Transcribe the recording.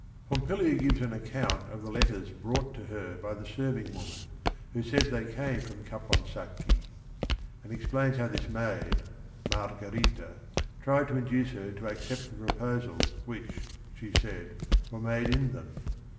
Pompilia gives an account of the letters brought to her by the serving woman, who said they came from Caponsacchi — and explains how this maid, Margherita, tried to induce her to accept the pro posals which, she said, were made in them.